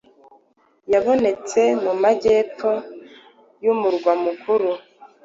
yabonete mu majyepfo yumurwa mukuru